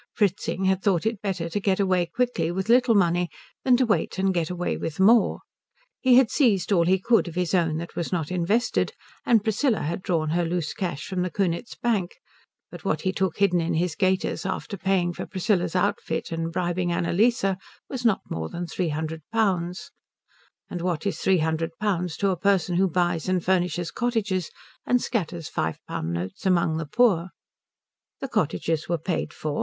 Fritzing had thought it better to get away quickly with little money than to wait and get away with more. He had seized all he could of his own that was not invested, and Priscilla had drawn her loose cash from the Kunitz bank; but what he took hidden in his gaiters after paying for Priscilla's outfit and bribing Annalise was not more than three hundred pounds; and what is three hundred pounds to a person who buys and furnishes cottages and scatters five pound notes among the poor? The cottages were paid for.